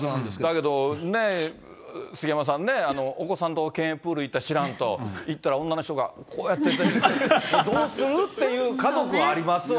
だけどね、杉山さんね、お子さんと県営プール行ったら、知らん人、いったら女の人がこうやって、どうする？っていう家族もありますわね。